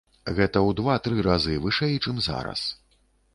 Гэта ў два-тры разы вышэй, чым зараз.